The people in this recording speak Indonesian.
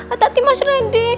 atau t mas randy